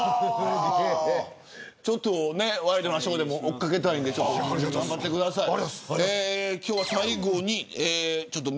ちょっと、ワイドナショーでも追っかけたいので頑張ってください。